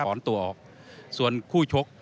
ผ่อนตัวออกส่วนคู่ชก